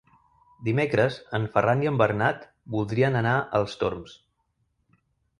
Dimecres en Ferran i en Bernat voldrien anar als Torms.